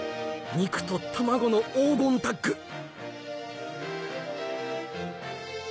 肉と卵の黄金タッグ！